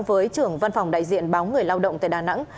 với trưởng văn phòng đại diện báo người lao động tại đà nẵng